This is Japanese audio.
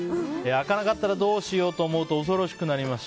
開かなかったらどうしようと思うと恐ろしくなります。